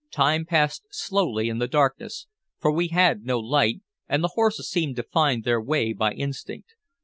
Time passed slowly in the darkness, for we had no light, and the horses seemed to find their way by instinct.